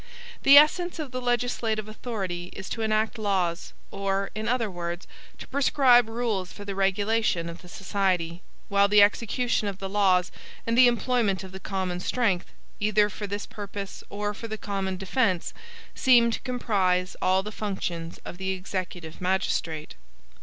The essence of the legislative authority is to enact laws, or, in other words, to prescribe rules for the regulation of the society; while the execution of the laws, and the employment of the common strength, either for this purpose or for the common defense, seem to comprise all the functions of the executive magistrate.